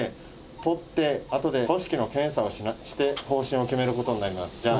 取ってあとで組織の検査をして方針を決めることになりますじゃあ